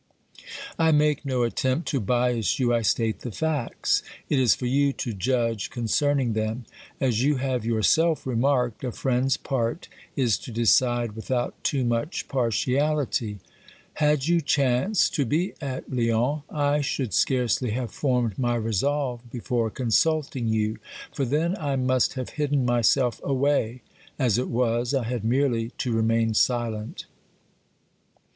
I make no attempt to bias you, I state the facts ; it is for you to judge concerning them. As you have yourself remarked, a friend's part is to decide without too much partiality. Had you chanced to be at Lyons, I should scarcely have formed my resolve before consulting you, for then I must have hidden myself away; as it was, I had merely to remain silent.